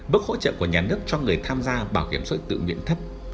mức hỗ trợ của nhà nước cho người tham gia bảo hiểm xã hội tự nguyện thấp